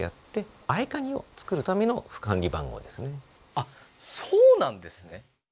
あっそうなんですね。